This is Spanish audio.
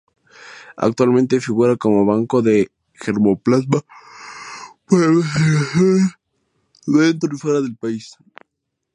Actualmente figura como banco de germoplasma para investigaciones dentro y fuera del país.